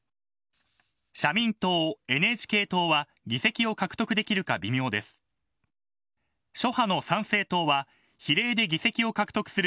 社民党、ＮＨＫ党は議席を獲得できるか微妙です。